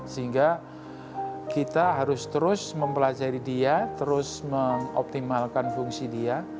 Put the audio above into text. sehingga kita harus terus mempelajari dia terus mengoptimalkan fungsi dia